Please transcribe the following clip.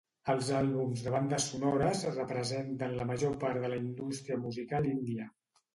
Els àlbums de bandes sonores representen la major part de la indústria musical índia.